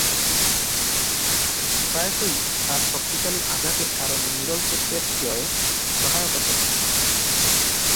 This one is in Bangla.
প্রায়শই তার শক্তিশালী আঘাতের কারণে মিডলসেক্সের জয়ে সহায়তা করতেন।